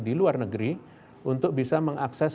di luar negeri untuk bisa mengakses